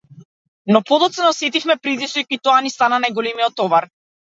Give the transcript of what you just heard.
Но подоцна осетивме притисок и тоа ни стана најголемиот товар.